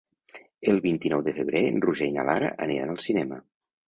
El vint-i-nou de febrer en Roger i na Lara aniran al cinema.